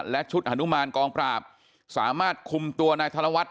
และชุดฮานุมานกองปราบสามารถคุมตัวนายธนวัฒน